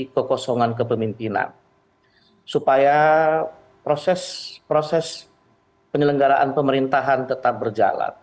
kekosongan kepemimpinan supaya proses proses penyelenggaraan pemerintahan tetap berjalan